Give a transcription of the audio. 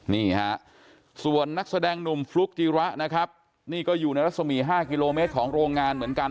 นี่ฮะส่วนนักแสดงหนุ่มฟลุ๊กจีระนะครับนี่ก็อยู่ในรัศมี๕กิโลเมตรของโรงงานเหมือนกัน